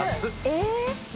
えっ？